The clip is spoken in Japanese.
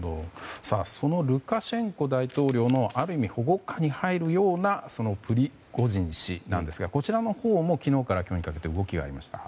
そのルカシェンコ大統領のある意味、保護下に入るようなプリゴジン氏なんですがこちらのほうも昨日から今日にかけて動きがありました。